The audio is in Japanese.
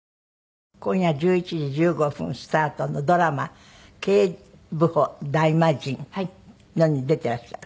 今夜１１時１５分スタートのドラマ『警部補ダイマジン』に出てらっしゃる？